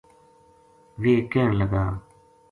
ویہ کہن لگا